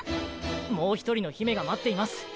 もう１人の姫が待っています。